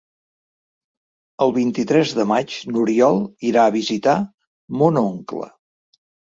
El vint-i-tres de maig n'Oriol irà a visitar mon oncle.